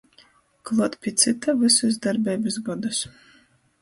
Kluot pi cyta — vysus darbeibys godus.